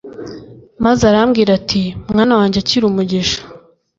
maze arambwira ati: mwana wange akira umugisha